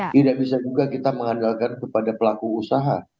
tidak bisa juga kita mengandalkan kepada pelaku usaha